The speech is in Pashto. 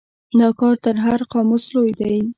دا کار تر هر قاموس لوی دی.